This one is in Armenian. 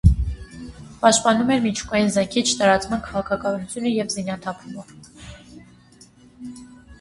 Պաշտպանում էր միջուկային զենքի չտարածման քաղաքականությունը և զինաթափումը։